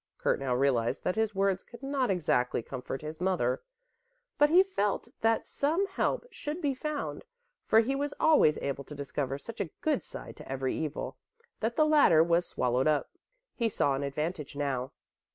Kurt now realized that his words could not exactly comfort his mother, but he felt that some help should be found, for he was always able to discover such a good side to every evil, that the latter was swallowed up. He saw an advantage now.